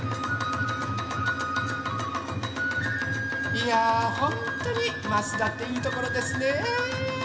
いやほんとに益田っていいところですね。